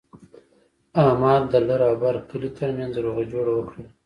احمد د لر او بر کلي ترمنځ روغه جوړه وکړله.